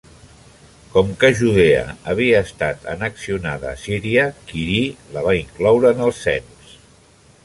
Com que Judea havia estat annexionada a Síria, Quirí la va incloure en el cens.